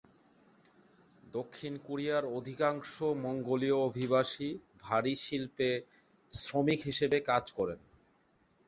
দক্ষিণ কোরিয়ার অধিকাংশ মঙ্গোলীয় অভিবাসী ভারী শিল্পে শ্রমিক হিসেবে কাজ করেন।